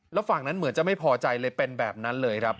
แล้วฝั่งนั้นเหมือนจะไม่พอใจเลยเป็นแบบนั้นเลยครับ